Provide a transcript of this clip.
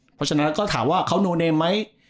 เพราะฉะนั้นก็ถามว่าเขาโนเนมไหม